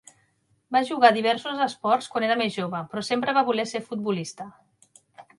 Va jugar diversos esports quan era més jove, però sempre va voler ser futbolista.